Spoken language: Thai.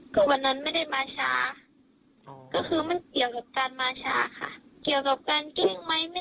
ก็วันนั้นไม่ได้มาช้าก็คือมันเกี่ยวกับการมาช้าค่ะเกี่ยวกับการทิ้งไหม